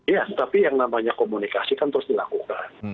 ya tapi yang namanya komunikasi kan terus dilakukan